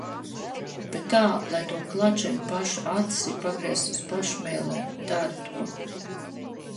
Bet tā lai to klačeņu pašu acis ir pagrieztas uz pašu mēlēm. Dari to.